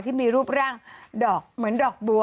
ที่มีรูปร่างดอกเหมือนดอกบัว